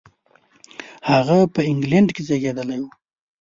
هغه په انګلېنډ کې زېږېدلی و.